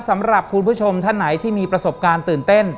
สำหรับคุณผู้ชมท่านไหนที่มีประสบการณ์ตื่นเต้น